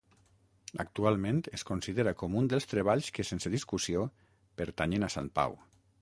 Actualment es considera com un dels treballs que sense discussió pertanyen a Sant Pau.